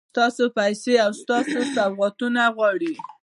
ستاسو پیسې او ستاسو سوغاتونه غواړي.